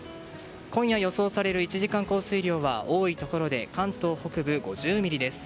今夜予想される１時間降水量は多いところで関東北部５０ミリです。